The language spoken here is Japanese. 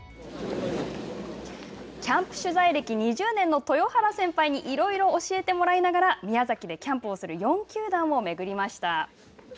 キャンプ取材歴２０年の豊原先輩にいろいろ教えてもらいながら宮崎でキャンプをする４球団を巡りました。